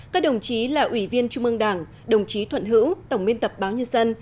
các đồng chí là ủy viên trung ương đảng đồng chí thuận hữu tổng miên tập báo nhân dân